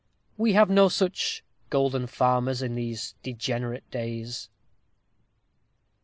_" We have no such "golden farmers" in these degenerate days!